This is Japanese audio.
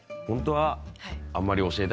はい。